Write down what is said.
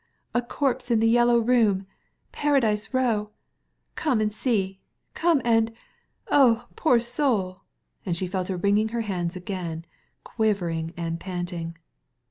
''A corpse in the Yellow Room! Paradise Row ! Come and see— come and Oh, poor soul !" and she fell to wringing her hands again, quivering and panting.